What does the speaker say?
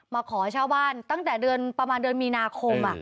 มาขอเช่าบ้านตั้งแต่เดือนประมาณเดือนมีนาคม